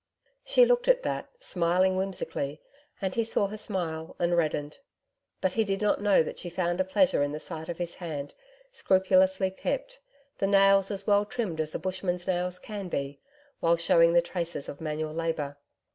She looked at that, smiling whimsically, and he saw her smile, and reddened. But he did not know that she found a pleasure in the sight of his hand scrupulously kept, the nails as well trimmed as a bushman's nails can be, while showing the traces of manual labour.